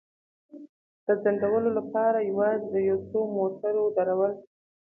د ځنډولو لپاره یوازې د یو څو موټرو درول.